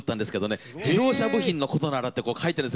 「自動車部品のことなら」ってこう書いてるんですよ